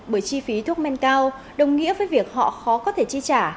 bởi chi phí thuốc men cao đồng nghĩa với việc họ khó có thể chi trả